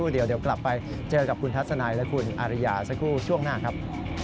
เดี๋ยวกลับไปเจอกับคุณทัศนัยและคุณอาริยาสักครู่ช่วงหน้าครับ